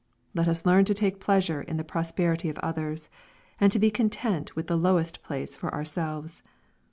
Let us learn to take pleasure in the prosperity of others, and to be content with the lowest place for ourselves.